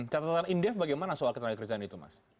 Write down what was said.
catatan indef bagaimana soal ketenaga kerjaan itu mas